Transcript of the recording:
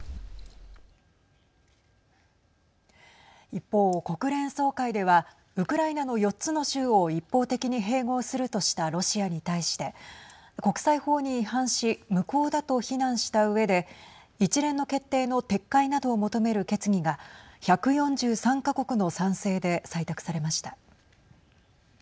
一方、国連総会ではウクライナの４つの州を一方的に併合するとしたロシアに対して国際法に違反し無効だと非難したうえで一連の決定の撤回などを求める決議が１４３か国の賛成で採択されました。